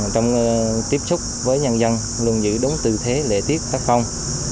trong tiếp xúc với nhân dân luôn giữ đúng tư thế lệ tiết phát phong